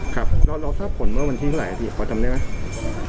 ครับเราทราบผลเมื่อวันที่เท่าไหร่พี่พอจำได้ไหม